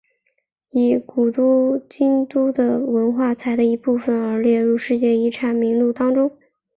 以古都京都的文化财的一部分而列入世界遗产名录当中。